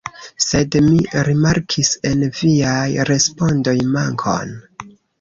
Sed mi rimarkis en viaj respondoj mankon.